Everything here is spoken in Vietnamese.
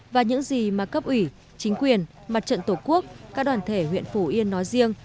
và những gì mà cấp ủy chính quyền mặt trận tổ quốc các đoàn thể huyện phủ yên nói riêng